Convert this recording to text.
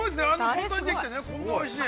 簡単にできてね、こんなおいしい。